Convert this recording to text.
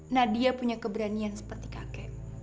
nadia punya keberanian seperti kakek